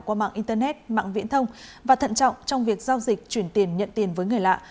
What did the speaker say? qua mạng internet mạng viễn thông và thận trọng trong việc giao dịch chuyển tiền nhận tiền với người lạ